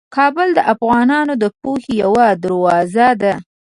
کابل د افغانانو د پوهنې یوه دروازه ده.